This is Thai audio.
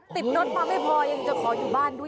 ติดรถมาไม่พอยังจะขออยู่บ้านด้วย